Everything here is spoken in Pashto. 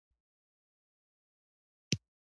څو شیبې وروسته زګیروي په ډیریدو شو.